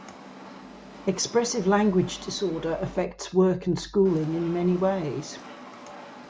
Expressive language disorder affects work and schooling in many ways.